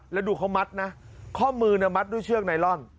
แล้วดูเขามัดนะข้อมือมัดด้วยเชือกไนลอน